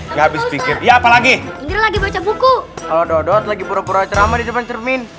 nggak habis pikir ya apalagi ini lagi baca buku kalau dodot lagi pura pura ceramah di depan cermin